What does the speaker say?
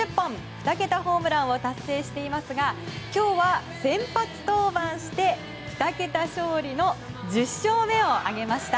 ２桁ホームランを達成していますが今日は先発登板して２桁勝利の１０勝目を挙げました。